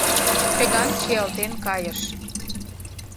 Чыган чиялтен кайыш.